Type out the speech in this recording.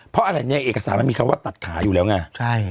เพราะอะไรเนี่ยเอกสารมันมีคำว่าตัดขาอยู่แล้วไง